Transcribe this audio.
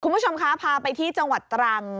คุณผู้ชมคะพาไปที่จังหวัดตรัง